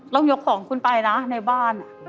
ยกของคุณไปนะในบ้าน